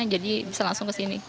bisa langsung ke sini